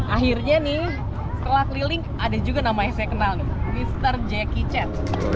akhirnya nih setelah keliling ada juga namanya saya kenal nih mr jackie chan